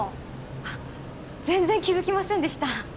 あっ全然気づきませんでした